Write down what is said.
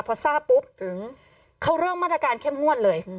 พอทราบปุ๊บเขาเริ่มมาตรการเข้มงวดเลย